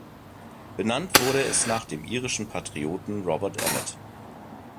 Benannt wurde es nach dem irischen Patrioten Robert Emmet.